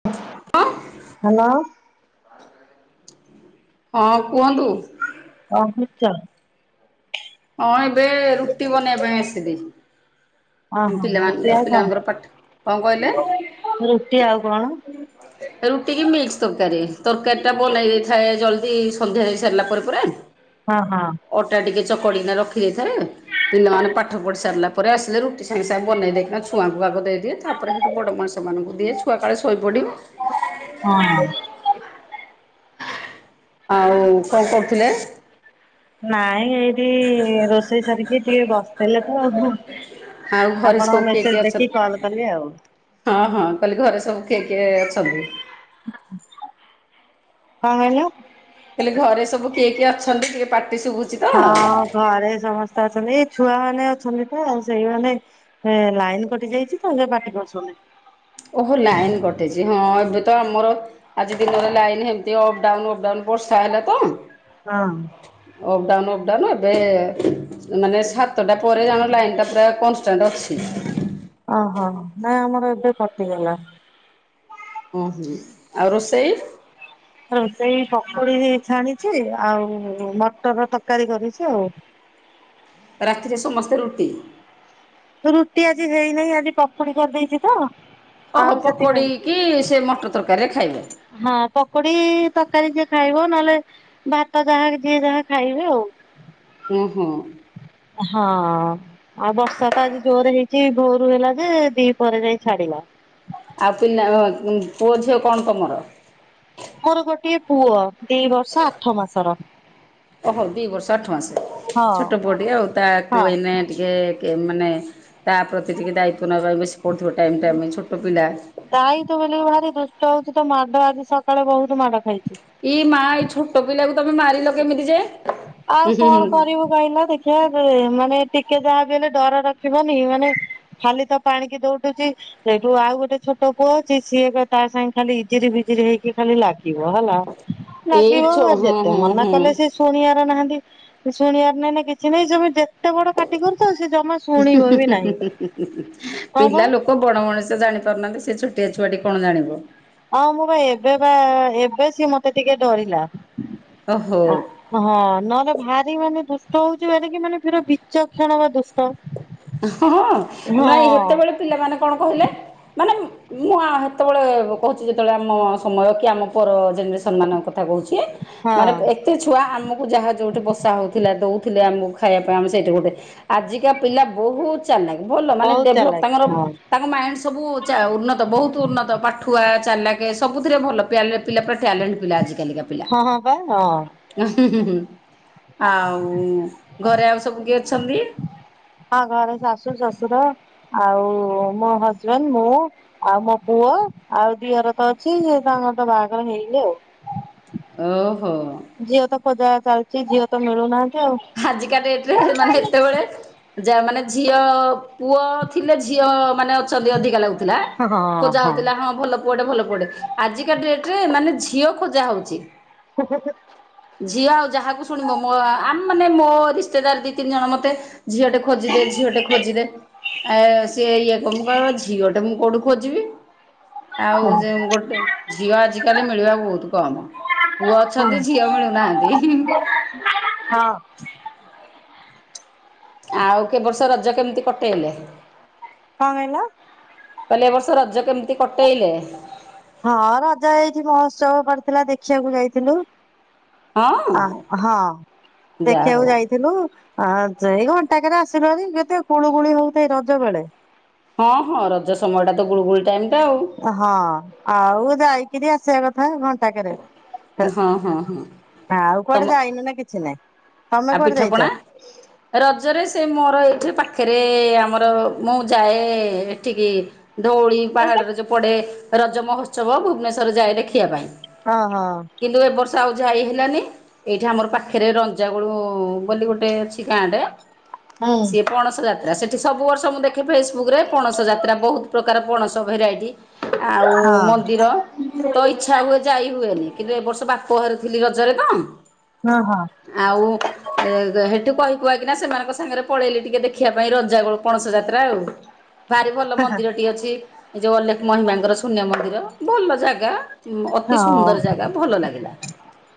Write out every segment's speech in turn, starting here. [unintelligible] Hello. ହଁ କୁହନ୍ତୁ। କଣ ଖୋଜୁଛ? ହଁ ଏବେ ରୁଟି ବନେଇବା ପାଇଁ ଆସିବେ। ଓହୋ ରୁଟି ଆଉ ପାଠ କଣ କହିଲେ ରୁଟି ଆଉ କଣ? [inaudible] ରୁଟି କି ମିକ୍ସ ତରକାରୀ ତରକାରୀ ଟା ବନେଇ ଦେଇଥାଏ ଜଲ୍ଦି ସନ୍ଧ୍ୟା ହେ ସାରିଲା ପରେ ପରେ। ହଁ ହଁ। ଅଟା ଟିକେ ଚକଡିକିନା ରଖିଦେଇଥାଏ ପିଲାମାନେ ପାଠ ପଢି ସାରିଲା ପରେ ଆସିଲେ ରୁଟି ସାଙ୍ଗେ ସାଙ୍ଗ ବନେଇ ଦେଇକିନା ଛୁଆଙ୍କୁ ଆଗ ଦେଇଦିଏ ତାପରେ ସେଇଠୁ ବଡ଼ ମଣିଷମାନ ଦିଏ ଆକାଳେ ଶୋଇପଡ଼ି ହଁ। ଆଉ କଣ କରୁଥିଲେ? ନାଇଁ ଏଇଠି ରୋଷେଇ ସାରିକି ଟିକେ ବସିଲେ ତ ଆ ଆଉ ଘରେ ସବୁ ଆପଣଙ୍କ କିଏ କିଏ ମେସେଜ ଅଛନ୍ତି ଦେଖିକି କଲ କଲେ ଆଉ। ହଁ ହଁ କହିଲି ଘରେ ସବୁ କିଏ କିଏ ଅଛନ୍ତି? ହଁ ମନୁ। ହେଲେ ଘରେ ସବୁ କିଏ କିଏ ଅଛନ୍ତି କିଏ ପାଟି ଶୁଭୁଛି। ତ ହଁ ଘରେ ସମସ୍ତେ ଅଛନ୍ତି ଏଇ ଛୁଆ ମାନେ ଅଛନ୍ତି ତ ସେମାନେ ହେ ଲାଇନ୍ କଟି ଯାଇଛି ତ ଏ ପାଟି କରସନି। ଓହୋ ଲାଇନ୍ କଟିଛି ହଁ ଏବେ ତ ଆମର ଆଜି ଦିନରେ ଲାଇନ ଏମତି ଅପଡାଉନ ଅପଡାଉନ ବର୍ଷା ହେଲା ତ ହଁ। ଅପ୍ଡାଉନ୍ ଅପ୍ଡାଉନବେ ମାନେ ସାତଟା ପରେ ଜାଣ ଲାଇନ ଟା ପୁରା କନଷ୍ଟାଣ୍ଟ ଅଛି। ଓହୋ ନାଇଁ ଆମର ଏବେ କଟିଗଲା। ଓହୋ ଆଉ ରୋଷେଇ? ରୋଷେଇ ପକୋଡି ଛାଣିଛି ଆଉ ମଟର ତରକାରୀ କରିଛି ଆଉ ରାତିରେ ସମସ୍ତେ ରୁଟି। ରୁଟି ଆଜି ହେଇନାହିଁ ଆଜି ପପୋଡି କରିଦେଇଛି ତ ଆଉ ଓହୋ ସେଥିପାଇଁ ପକୋଡ଼ିକି ସେ ମଟର ତରକାରୀରେ ଖାଇବେ। ହଁ ପକୁଡି ତରକାରୀ ଯିଏ ଖାଇବ ନହେଲେ ଭାତ ଯାହା ଯିଏ ଯାହା ଖାଇବେ ଆଉ। ଉଁ ହୋ। ହଁ। ଆଉ ବର୍ଷା ତ ଆଜି ଜୋର ହେଇଛି ଭୋରୁ ହେଲା ଯେ ଦି ପରେ ଯାଇ ଛାଡିଲା ଆଉ ପିଲା ପୁଅ ଝିଅ କଣ ତମର? ମୋର ଗୋଟଏ ପୁଅ ଦି ବର୍ଷ ଆଠ ମାସର। ଓହୋ ଦୁଇ ବର୍ଷ ଆଠ ମାସ ହଁ ଛୋଟ ପୁଅ ହଁ ଟିକେ ଆଉ ତାକୁ ଏଇନେ ଟିକେ କି ମାନେ ତା ପ୍ରତି ଟିକିେ ଦାୟିତ୍ୱ ନେବା ପାଇଁ ବେଶି ପୁଥିବ ଟାଇମ୍ ଟାଇମେ ଛୋଟ ପିଲା ଦାଇ ତୁ ବୋଲିକି ଭାରି ଦୁଷ୍ଟ ହଉଛି ତ ମାଡ ଆଜି ସକାଳେ ବହୁତ ମାଡ଼ ଖାଇଛି। ଏଇ ମା ଏଇ ଛୋଟ ପିଲାକୁ ତମେ ମାରିଲ କେମିତି ଯେ ଆଉ ହୁଁ ହୁଁ କଣ ହୁଁ କରିବୁ? କହିଲ ଦେଖିବା ମାନେ ଟିକେ ଯାହାବି ହେଲେ ଡର ରଖିବନି ମାନେ ଖାଲି ତ ପାଣିକି ଦଉଡୁଛି। ସେଇଠୁ ଆଉ ଗୋଟେ ଛୋଟ ପୁଅ ଅଛି ସିଏ ତା ସାଙ୍ଗେ ଖାଲି ଇଜିରି ବିଜଜିରି ହେଇକି ଖାଲି ଲାଗେ। ହେଲା ଏଇ ଲାଗିବ ଛୋ ଆ ହଁ ଯେତେ ହଁ ମନା ହଁ। କଲେ ସେ ଶୁଣିବ ନାହା ଶୁଣିବାର ନାାଇଁ ନା କିଛି ନାଇଁ ତମ ଯେତେ ବଡ କାଟି କରୁଛ ସେ ଜମା ଶୁଣିବ ବି ନାହିଁ ହଁ ବା ପିଲା ଲୋକ ବଣ ମଣିଷ ଜାଣି ପାରୁନାହାନ୍ତି। ସେ ଛୋଟିଆ ଛୁଆଟି କଣ ଜାଣିବ? ଆଉ ମୁଁ ବା ଏବେ ବା ଏବେ ସିଏ ମତେ ଟିକେ ଡରିଲା। ଓ ହୋ। ହଁ ନହେଲେ ଭାରି ମାନେ ଦୁଷ୍ଟ ହଉଛି କି ମାନେ ବିଚକ୍ଷଣ ବା ଦୁଷ୍ଟ ହଁ ହଁ ନାଇ ହେତେବେଳେ ପିଲାମାନେ କଣ କହିଲେ ମାନେ ନା ହେତେବେଳେ କହୁଛି ଯେତେବେଳେ ଆମ ସମୟ କି ଆମ ପର ଜେନେରେସନ୍ ମାନଙ୍କ କଥା କହୁଛି। ମାନେ ହଁ। ଏତେ ଛୁଆ ଆମକୁ ଯାହା ଯୋଉଠି ବସା ହଉଥିଲା ଦଉଥିଲେ ଆମକୁ ଖାଇବା ପାଇଁ ଆମେ ସେଇଠି ଗୋଟେ। ଆଜିକା ପିଲା ବହୁତ୍ ଚଲାଖ୍ ଭଲ ମାନେ ବହୁତ ଡେଭଲପ୍ ଚାଲାକ ତାଙ୍କର। ହଁ ତାଙ୍କ ମାଇଣ୍ଡ ସବୁ ଉନ୍ନତ ବହୁତ ଉନ୍ନତ ପାଠୁଆ ଚାଲାକେ ସବୁଥିରେ ଭଲ ପ୍ୟାଲେପ୍ ପିଲା ପୁରା ଟ୍ୟାଲେଣ୍ଟ ପିଲା ଆଜିିକାଲିକା ପିଲା। ହଁ ହଁ ବା ହଁ ଉ ହୁଁ ହୁଁ ହୁଁ ଆଉ ଘରେ ଆଉ ସବୁ କିଏ ଅଛନ୍ତି? ହଁ ଘରେ ଶାଶୁ ଶଶୁର ଆଉ ମୋ ହଜବେଣ୍ଡ୍ ମୁଁ। ଆଉ ମୋ ପୁଅ ଆଉ ଦିଅର ତ ଅଛି ସେ ତାଙ୍କର ତ ବାହାଘର ହେଇନି ଆଉ। ଓହୋ। ଝିଅ ତ ଖୋଜା ଚାଲିଛି ଝିଅ ତ ମିଳୁନାହାନ୍ତି ଆଉ। ଆଜିକା ଡେଟ୍ ରେ ମାନେ ଏତେବେଳେ ଯ ମାନେ ଝିଅ ପୁଅ ଥିଲେ ଝିଅ ମାନେ ଅଛନ୍ତି ଅଧିକା ଲାଗୁଥିଲା ହଁ ଖୋଜା ହଉଥିଲା ହଁ ଭଲ ପୁଅଟେ ଭଲ ପୁଅଟେ ମାନେ ଆଜିକା ଡେଟ ରେ ମାନେ ଝିଅ ଖୋଜା ହଉଛି। ଝିଅ ଆଉ ଯାହାକୁ ଶୁଣିବ ମୋ ଆମ ମାନେ ମୋ ରିଶ୍ତେଦାର ଦି ତିନି ଜଣ ମତେ ଝିଅଟେ ଖୋଜିଦେ ଝିଅ ଟେ ଖୋଜିଦେ। ଆ ସେି ଇଏ କମ କହିବା ଝିଅଟେ ମୁଁ କୋଉଠୁ ଖୋଜିବି। ହଁ ଆଉ ଯେ ଗୋଟେ ଝିଅ ଆଜିକାଲି ମିଳିବାକୁ ବହୁତ କମ୍ ପୁଅ ଅଛନ୍ତି ଝିଅ ମିଳୁନାହାନ୍ତି। ହଁ। ଆଉ କେ ବର୍ଷ ରଜ କେମିତି କଟେଇଲେ? କଣ କହିଲ।? କହିଲେ ଏ ବର୍ଷ ରଜ କେମିତି କଟେଇଲେ? ହଁ ରଜ ହେଇଛିି ମହୋତ୍ସବ ପଡ଼ିଥିଲା ଦେଖିବାକୁ ଯାଇଥିଲେ। ହଁ ଆଉ ହଁ ଯାହା ହଉ। ଦେଖିବାକୁ ଯାଇଥିଲୁ। ଆ ଯେ ଏଇ ଘଣ୍ଟାକରେ ଆସିଲୁ ହେରି କେତେ ଗୁଳୁ ଗୁଳି ହଉଥାଏ ରଜ ବେଳେ। ହଁ ହଁ ରଜ ସମୟ ଟା ତ ଗୁଳୁଗୁଳି ଟାଇମ ଟା ଆଉ। ହଁ ଆଉ ଯାଇକିରି ଆସିବା କଥା ଘଣ୍ଟାକେରେ। ହଁ ହଁ ହଁ ଆଉ କୁଆଡ଼େ ଯାଇନୁ ନା କିଛି ନାଇଁ। ତମେ ଆ କୁଆଡେ ଯାଇଛ? ପିଠାପଣା ରଜରେ ସେ ମୋର ଏଇଠି ପାଖରେ ଆମର ମୁଁ ଯାଏ ଏଠିକି ଧଉଳି ପାହାଡ଼ରେ ଯୋଉ ପଡେ ରଜ ମହୋତ୍ସବ ଭୁବନେଶ୍ୱର ଯାଏ ଦେଖିବା ପାଇଁ। ହଁ ହଁ। କିନ୍ତୁ ଏ ବର୍ଷ ଆଉ ଯାଇ ହେଲାନି ଏଇଠି ଆମର ପାଖରେ ରଞ୍ଜ ଜାଗୁଳୁ ବୋଲି ଗୋଟେ ଅଛି ଗାଁ ଟେ ହୁଁ ସିଏ ପଣସ ଯାତ୍ରା ସେ ଏଠି ସବୁ ବର୍ଷ ମୁଁ ଦେଖେ ଫେସବୁକ୍ ରେ ପଣସ ଯାତ୍ରା ବହୁତ୍ ପ୍ରକାର ପଣସ ଭେରାଇଟି। ଆଉ ହଁ ହଁ ମନ୍ଦିର ତ ଇଛା ହୁଏ ଯାଇ ହୁଏନି କିନ୍ତୁ ଏ ବର୍ଷ ବାପ ଘରେ ଥିଲି ରଜରେ ତ ହଁ ହଁ। ଆଉ। ଏ ହେଠୁ କହି କୁହା କିନା ସେମାନଙ୍କ ସାଙ୍ଗରେ ପଳେଇଲି ଟିକେ ଦେଖିବା ପାଇଁ ରଜାଗୋଳ ପଣସ ଯାତ୍ରା ଆଉ। ହ ଭାରି ଭଲ ମନ୍ଦିରଟି ଅଛି ଏ ଯୋଉ ଅଲେଖ ମହିମାଙ୍କର ଶୂନ୍ୟ ମନ୍ଦିର। ଭଲ ଜାଗା ଅତି ସୁନ୍ଦର ଜାଗା ଭଲ ଲାଗିଲା।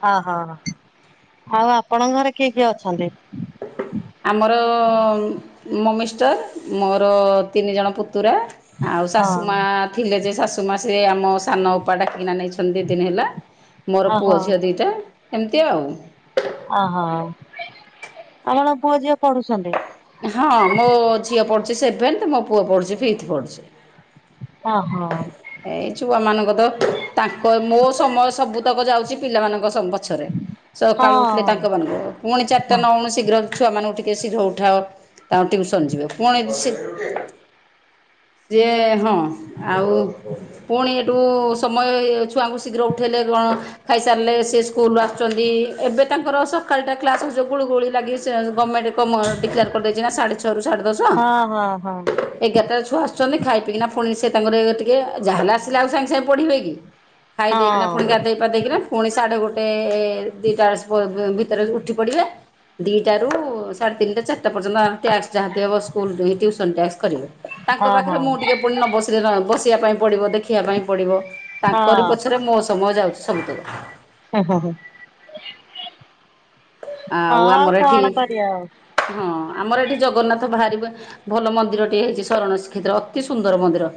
ଓହୋ ଆଉ ଆପଣଙ୍କ ଘରେ କିଏ କିଏ ଅଛନ୍ତି? ଆମର ଉଁ ମୋ ମିଷ୍ଟର ମୋର ତିନି ଜଣ ପୁତୁରା ଆଉ ଶାଶୁ ହଁ ମା ଥିଲେ ଯେ ଶାଶୁ ମା ସେ ଆମ ସାନ ଅପା ଡାକିକିନା ନେଇଛନ୍ତି ଦି ଦିନ ହେଲା। ମୋର ପୁଅ ଓହୋ। ଝିଅ ଦୁଇଟା ଏମିତି ଆଉ। ଓହୋ ହ ଆପଣ ପୁଅ ଝିଅ ପଢୁଛନ୍ତି ହଁ ମୋ ଝିଅ ପଢ଼ୁଛି ସେଭେନ୍ଥ ମୋ ପୁଅ ପଢୁଛି ଫିଫଥ ପଢ଼ୁଛି ଓହୋ ଏଇ ଛୁଆ ମାନଙ୍କ ତ ତାଙ୍କ ମୋ ସମୟ ସବୁତକ ଯାଉଛି ପିଲାମାନଙ୍କ ପଛରେ ହଁ ସକାଳୁ ଉଠିଲେ ତାଙ୍କ ମାନ ପୁଣି ଚାରିଟା ହଁ। ନଉଣୁ ଶୀଘ୍ର ଛୁଆ ମାନଙ୍କୁ ଟିକେ ଶୀଘ୍ର ଉଠାଅ ତାଙ୍କ ଟିଉସନ ଯିବେ ପୁଣି ରୋଷେ- ଯିଏ ହଁ ଆଉ ପୁଣି ଏଠୁ ସମୟ ଛୁଆଙ୍କୁ ଶୀଘ୍ର ଉଠାଇଲେ କଣ ଖାଇସାରିଲେ ସେ ସ୍କୁଲୁ ଆସୁଛନ୍ତି ଏବେ ତାଙ୍କର ସକାଳଟା କ୍ଲାସ ହଉ ଗୁଳୁ ଗୋଳି ଲାଗି ଗମେଣ୍ଟ- ମୋର ଡିକ୍ଲାର କରିଦେଇଛି ନା ସାଢେ ଛଅରୁ ସାଢେ ଦଶ ହଁ ହଁ ହଁ ଏଗାରଟା ଛୁଆସୁଛନ୍ତି ଖାଇ ପିଇକିନା ପୁଣି ସେ ତାଙ୍କର ଟିକେ ଯାହେଲେ ଆସିଲେ ଆଉ ସାଙ୍ଗେ ସାଙ୍ଗେ ପଢିବେ କି? ଖାଇ ହଁ ଦେଇକିନା ଫୁଣି ଗାଧେଇ ଗାଧେଇକି ନା ପୁଣି ସାଢେ ଗୋଟେ ଦିଟା ଭିତରେ ଉଠି ପଡିବେ ଦିଇଟାରୁ ସାଢେ ତିନିଟା ଚାରିଟା ପର୍ଯ୍ୟନ୍ତ ଟ୍ୟାକ୍ସ ଯାହା ଥିବ ବସି ସ୍କୁଲ ଟିଉସନ ଟ୍ୟାକ୍ସ କରିବେ ହଁ ତାଙ୍କ ହଁ ପାଖରେ ହଁ। ମୁଁ ଟିକେ ପୁଣି ନ ବସିଲେ ବସିବା ପାଇଁ ପଡିବ ଦେଖିବା ପାଇଁ ପଡିବ ତାଙ୍କରି ହଁ ପଛରେ ମୋ ସମୟ ଯାଉଛି ସବୁତକ ଓ ହୋ ହଁ ଆଉ ଆମର ଏଠି କଣ କରିବା ହଁ ଆମର ଏଠି ଜଗନ୍ନାଥ ବାହାରିବ ଭଲ ମନ୍ଦିରଟିଏ ହେଇଛି ଶରଣ ଶ୍ରୀକ୍ଷେତ୍ର ଅତି ସୁନ୍ଦର ମନ୍ଦିର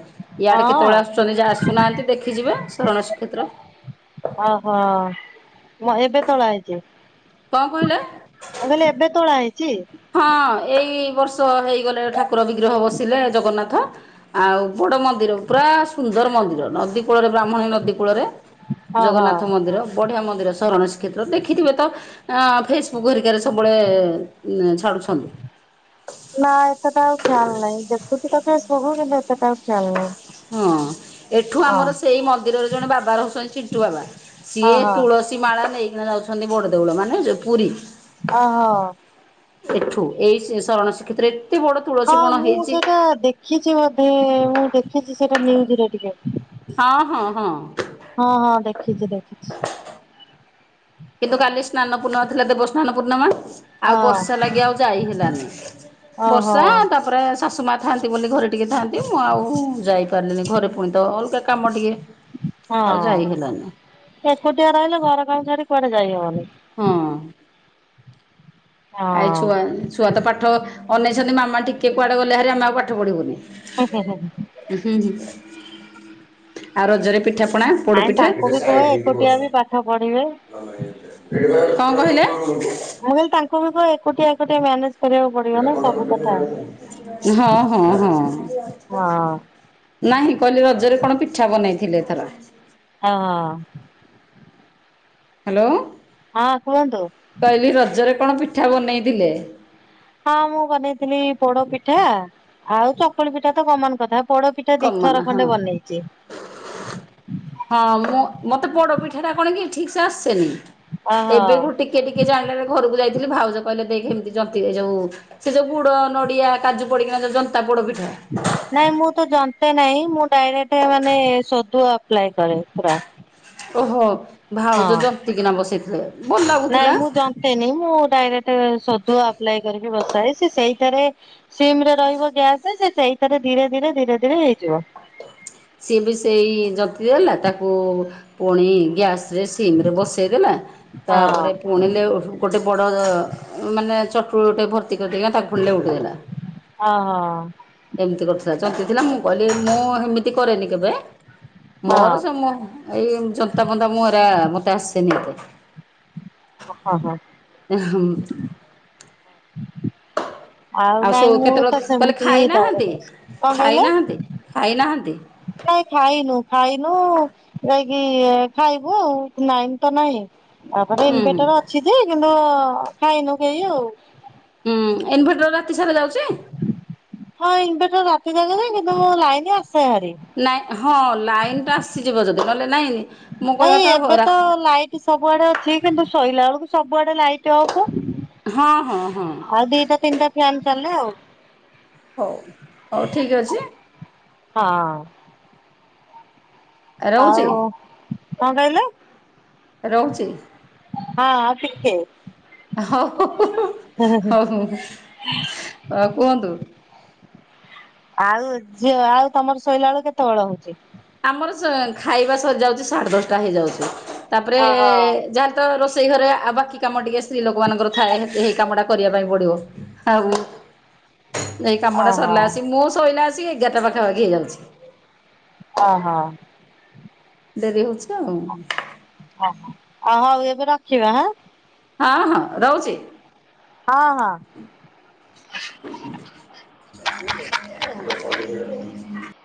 ୟାଡେ ଆଉ କେତେବେଳେ ଆସୁଛନ୍ତି ଯ ଆସୁନାହାନ୍ତି ଦେଖିଯିବେ ଶରଣ ଶ୍ରୀକ୍ଷେତ୍ର ଓହୋ ମୁ ଏବେ ତଳେ ହୋଇଛି କଣ କହିଲା? ମୁଁ କହିଲି ଏବେ ତୋଳା ହେଇଛି ହଁ ଏଇ ବର୍ଷ ହେଇଗଲେ ଠାକୁର ବିଗ୍ରହ ବସିଲେ ଜଗନ୍ନାଥ ଆଉ ବଡ ମନ୍ଦିର ପୁରା ସୁନ୍ଦର ମନ୍ଦିର ନଦୀ କୂଳରେ ବ୍ରାହ୍ମଣୀ ନଦୀ କୂଳରେ ଓହୋ। ଜଗନ୍ନାଥ ମନ୍ଦିର ବଢିଆ ମନ୍ଦିର ଶରଣ ଶ୍ରୀକ୍ଷେତ୍ର ଦେଖିଥିବେ ତ ଅ ଫେସବୁକ୍ ହରିକାରେ ସବୁବେଳେ ଉଁ ଛାଡୁଛନ୍ତି। ନା ଏତେ ଟା ଆଉ ଖିଆଲ ନାହିଁ ଦେଖୁଚି ତ ଫେସ୍ ବୁକ୍ କିନ୍ତୁ ଏତେଟା ଆଉ ଖିଆଲ ନାହିଁ। ହଁ ଏଠୁ ହଁ ଆମର ହଁ। ସେଇ ମନ୍ଦିରରେ ଜଣେ ବାବା ରହୁଛନ୍ତି ଚିଟୁ ବାବା ସିଏ ହଁ ତୁଳସୀ ମାଳା ନେଇକି ଯାଉଛନ୍ତି ବଡ଼ଦେଉଳ ମାନେ ପୁରୀ ଓ ହୋ ସେଠୁ ଏଇ ସେ ଶରଣ ଶ୍ରୀକ୍ଷେତ୍ର ଏତେ ବଡ ହଁ ତୁଳସୀ ବଣ ମୁଁ ହେଇଛି। ସେଇଟା ଦେଖିଛି ମାନେ ମୁଁ ଦେଖିଛି ସେଇଟା ନିୟୁଜ୍ ରେ ଦିନେ ହଁ ହଁ ହଁ ହଁ ହଁ ଦେଖିଛି ଦେଖିଛି କିନ୍ତୁ କାଲି ସ୍ନାନ ପୂର୍ଣ୍ଣମା ଥିଲା ଦେବ ସ୍ନାନ ପୂର୍ଣ୍ଣମା ଆଉ ହଁ ବର୍ଷା ଲାଗି ଆଉ ଯାଇ ହେଲାନି ଓହୋ। ବର୍ଷା ତାପରେ ଶାଶୁ ମା ଥାଆନ୍ତି ବୋଲି ଘରେ ଟିକିଏ ଥାଆନ୍ତି ମୁଁ ଆଉ ଯାଇ ପାରିଲି ନି ଘରେ ଟିକେ ତ ଅଲଗା କାମ ଟିକେ [inaudible] ଯାଇ ହେଲାନି ହଁ ଏକୁଟିଆ ରହିଲେ ଘର କାମ ଛାଡିକି କୁଆଡେ ଯାଇହବନି। ହଁ ଆ ହଁ ଛୁଆ ଛୁଆ ତ ପାଠ ଅନେଇଛନ୍ତି ମାମା ଟିକେ କୁଆଡେ ଗଲେ ହେରି ଆମେ ଆଉ ପାଠ ପଢିବୁନି ହୁଁ ହୁଁ ହୁଁ ହୁଁ ଆଉ ରଜରେ ପିଠା ପଣା ନାଇଁ ପୋଡ଼ପିଠା ତାଙ୍କୁ ଟିକେ ବି କୁହ ସାଇଟ୍ ହେଇକି ଏକୁଟିଆ ବସ୍। ବି ପାଠ ପଢିବେ। ମୁଁ [unintelligible] କଣ କହିଲେ ମୁଁ ତାଙ୍କୁ କିନ୍ତୁ ଏକୁଟିଆ ଏକୁଟିଆ ମେନେଜ୍ [unintelligible] ହଁ ହଁ ହଁ ହଁ। ନାହିଁ କହିଲି ରଜରେ କଣ ପିଠା ବନେଇଥିଲେ ଏଥର? ହଁ ଅ ହ୍ୟାଲୋ ହଁ କୁହନ୍ତୁ କଇଲି ରଜରେ କଣ ପିଠା ବନେଇଥିଲେ? ହଁ ମୁଁ ବନେଇଥିଲି ପୋଡପିଠା ଆଉ ଚକୁଳିପିଠା ତ କମନ କଥା। ପୋଡପିଠା କମନ ଦିଥର ହଁ। ଖଣ୍ଡେ ବନେଇଚି। ହଁ ମୁଁ ମତେ ପୋଡ଼ପିଠାଟା କଣକି ଠିକସେ ଆସେନି। ଓହୋ ଏବେକୁ ଟିକେ ଟିକେ ଯାଇଁଲି ଏବେ ଘରକୁ ଯାଇଥିଲି ଭାଉଜ କହିଲେ ଦେଖେ ଏମିତି ଜନ୍ତି ଏଜଉ ସେ ଯୋଉ ଗୁଡ ନଡିଆ କାଜୁ ପଡିକିନା ଯଉ ଯନ୍ତା ପୋଡ଼ପିଠା ନାଇଁ ମୁଁ ତ ଜନ୍ତେ ନାଇଁ ମୁଁ ଡାଇରେକ୍ଟ ମାନେ ସୋଦୁଅ ଆପ୍ଲାଇ କରେ ପୁରା। ଓ ହୋ ହଁ ଭାଉଜ ଜନ୍ତିକିନା ବସେଇଥିଲେ। ଭଲ ନାଇଁ ଲାଗୁଥିଲା। ମୁଁ ଜନ୍ତେନି ମୁଁ ଡାଇରେକ୍ଟ ସୋଦୁଅ ଆପ୍ଲାଇ କରିକି ବସାଏ ସେ ସେଇଟାରେ ସିମ୍ ରେ ରହିବ ଗ୍ୟାସ୍ ସେ ସେଇଥିରେ ଧିରେ ଧିରେ ଧିରେ ଧିରେ ହେଇଯିବ। ସିଏ ବି ସେଇ ଜନ୍ତିଦେଲା ତାକୁ ପୁଣି ଗ୍ୟାସରେ ସି ସିମ୍ ରେ ବସେଇ ଦେଲା ହଁ ତାପରେ ପୁଣି ଲେଉ ଗୋଟେ ବଡ଼ ମାନେ ଚଟୁଟେ ଭର୍ତ୍ତି କରିଦେଇକିନା ତାକୁଫୁଣି ଲେଉଟେଇ ଦେଲା। ଅ ହ ଏମିତି କରୁଥିଲା ଜନ୍ତିଥିଲା ମୁଁ କହିଲି ମୁଁ ହେମିତି କରେନି କେବେ ହଁ ମୋର ସେମୁଁ ଏଇ ଯନ୍ତା ଫନ୍ତା ମୁଁ ଏରା ମୋତେ ଆସେନି ଏତେ। ହଁ [inaudible] ଉ ହୂ ଉ ଆଉ ନାଇଁ ସବୁ ମୁଁ ତ କେତେବେଳେ କହିଲି ସେମିତି ଖାଇନାଁହାନ୍ତି ଡାଇରେକ୍ଟ କଣ କହିଲେ? ଖାଇନାଁହାନ୍ତି। ଖାଇନାହାଁନ୍ତି। ନାଇଁ ଖାଇନୁ ଖାଇନୁ ଉ ଯାଇକି ଖାଇବୁ ନାଇନ ତ ନାଇଁ। ଆପରେ ହୁଁ ହୁଁ ଇନଭେଟର ଅଛିଯେକିନ୍ତୁ ଖାଇନୁ କେହି ଆଉ। ଉଁ ଇନଭେଟର ରାତିସାରା ଯାଉଚି? ହଁ ଇନଭେଟର ରାତି ଜାକେ ଯାଏ କିନ୍ତୁ ଲାଇନ ଆସେ ଭାରି। ନାଇଁ ହଁ ଲାଇନ୍ ଟା ଆସିଯିବ ଯଦି ନହେଲେ ନାଇଁ। ମୁଁ ନାଇ କହିବା କଥା ଏବେ ରା ତ ଲାଇଟ ସବୁଆଡେ ଅଛି କିନ୍ତୁ ଶୋଇଲା ବେଳକୁ ସବୁଆଡେ ଲାଇଟ୍ଅଫ। ହଁ ହଁ ହଁ। ଆଉ ଦିଟା ତିନିଟା ଫ୍ୟାନ ଚାଲେ ଆଉ। ହଉ ହଉ ଠିକ୍ ଅଛି। ହଁ ଅ। ରହୁଛି ଆଉ କଣ କହିଲେ? ରହୁଛି। ହଁ ଆଉ ଟିକେ। [inaudible] ହଉ ହଉ କୁହନ୍ତୁ। ଆଉ ଝିଅ ଆଉ ତମର ଶୋଇଲା ବେଳୁ କେତେ ବେଳ ହଉଛି। ଆମର ଖାଇବା ସରି ଯାଉଛି ସାଢେ ଦଶଟା ହେଇଯାଉଛି ତାପରେ ଏ ଓହୋ ଯାହେ ତ ରୋଷେଇ ଘରେ ଆଉ ବାକି କାମ ଟିକେ ସ୍ତ୍ରୀ ଲୋକମାନଙ୍କର ଥାଏ ହେଇ କାମଟାକୁ କରିବା ପାଇଁ ପଡିବ ଆଉ ଏଇ କାମଟା ଓହୋ ସରିଲା ଆସିକି ମୁଁ ଶୋଇଲାଏସି ରାଚି ଏଗାର ଟା ପାଖାପାଖି ହେଇଯାଉଚି। ଓହ। ଡେରି ହଉଚି ଆଉ। ଅହ ଅ ହଉ ଏବେ ରଖିବା ହା ଆଁ। ହଁ ହଁ ରହୁଛି। ହଁ ହଁ। ଆ [inaudible]